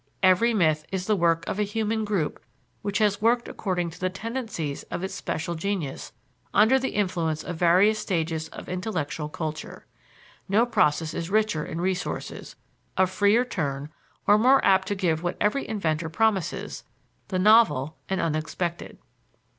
Every myth is the work of a human group which has worked according to the tendencies of its special genius under the influence of various stages of intellectual culture. No process is richer in resources, of freer turn, or more apt to give what every inventor promises the novel and unexpected.